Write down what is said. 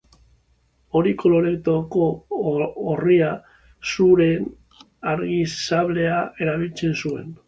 Hori koloreko orria zuen argi sablea erabiltzen zuen.